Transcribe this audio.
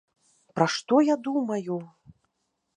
Пра што я думаю!